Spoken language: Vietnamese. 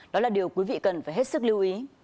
đó là điều quý vị cần phải hết sức lưu ý